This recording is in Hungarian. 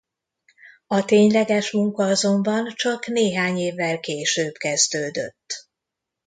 A tényleges munka azonban csak néhány évvel később kezdődött.